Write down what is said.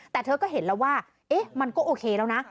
แต่เธอก็เห็นแล้วว่ามันก็โอเคแล้วนะ